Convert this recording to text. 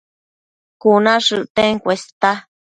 Cuna shëcten cuesta